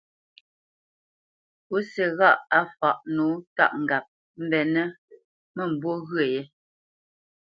Pǔsi ghâʼ á fǎʼ nǒ tâʼ ŋgap mbenə́ mə̂mbû ghyə̂ yé.